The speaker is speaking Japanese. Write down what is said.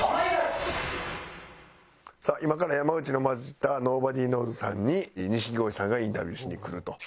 さあ今から山内の交じったｎｏｂｏｄｙｋｎｏｗｓ＋さんに錦鯉さんがインタビューしに来ると。